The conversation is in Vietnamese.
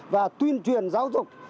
và tuyên truyền giáo dục